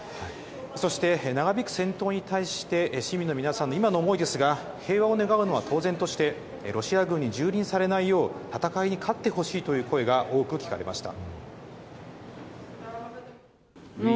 そして、長引く戦闘に対して、市民の皆さんの今の思いですが、平和を願うのは当然として、ロシア軍にじゅうりんされないよう、戦いに勝ってほしいという声が多く聞かれました。